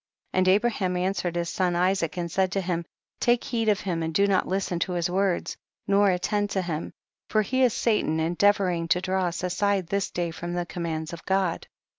33. And Abraham answered his son Isaac and said to him, take heed of him and do not listen to his words, nor attend to him, for he is Satan endeavoring to draw us aside this day from the commands of God.